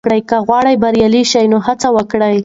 که غواړې بریالی شې، نو هڅه وکړه.